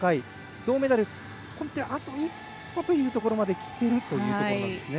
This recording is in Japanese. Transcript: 銅メダル、あと１歩というところまできているということなんですね。